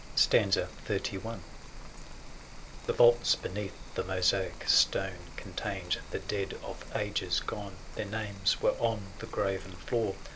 XXXI. The vaults beneath the mosaic stone 920 Contained the dead of ages gone ; Their names were on the graven floor.